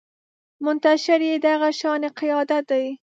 منتشر يې دغه شانې قیادت دی